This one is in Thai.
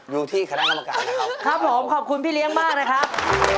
ดูที่คณะกรรมการนะครับครับผมขอบคุณพี่เลี้ยงมากนะครับ